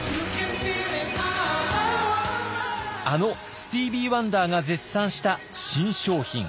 あのスティービー・ワンダーが絶賛した新商品。